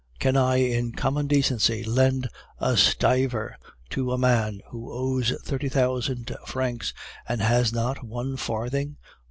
Can I in common decency lend a stiver to a man who owes thirty thousand francs, and has not one farthing?